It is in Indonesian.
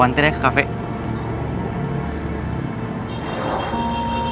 neng maaf kalo kemarin aku salah